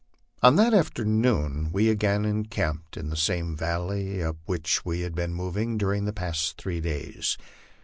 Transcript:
On that afternoon we again encamped in the same valley up which we had been moving during the past three days.